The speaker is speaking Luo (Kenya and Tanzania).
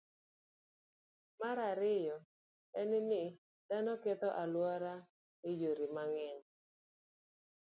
Mar ariyo en ni, dhano ketho alwora e yore mang'eny.